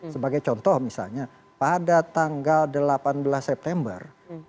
sebagai contoh misalnya pada tanggal delapan belas september dua ribu dua puluh dua